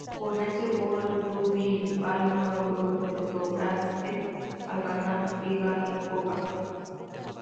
Con ese gol, el club bilbaíno logró el doblete al ganar Liga y Copa.